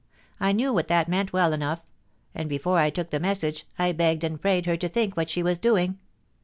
I knew what that meant well enough ; and, before I took the message, I begged and prayed her to think what she was doing.